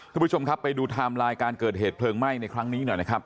คุณผู้ชมครับไปดูไทม์ไลน์การเกิดเหตุเพลิงไหม้ในครั้งนี้หน่อยนะครับ